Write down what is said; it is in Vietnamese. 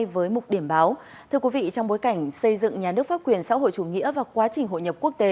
với mức sáu tám bảy một năm